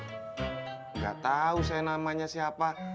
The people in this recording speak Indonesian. gak tau saya namanya siapa